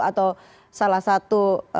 atau salah satu